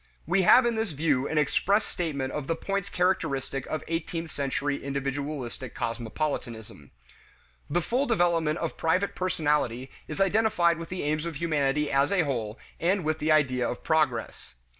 We have in this view an express statement of the points characteristic of the eighteenth century individualistic cosmopolitanism. The full development of private personality is identified with the aims of humanity as a whole and with the idea of progress.